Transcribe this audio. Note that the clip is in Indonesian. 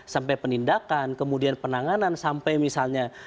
sampai penindakan kemudian penanganan sampai misalnya